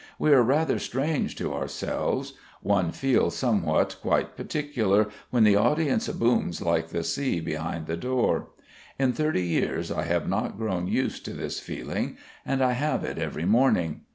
We are rather strange to ourselves. One feels something quite particular, when the audience booms like the sea behind the door. In thirty years I have not grown used to this feeling, and I have it every morning.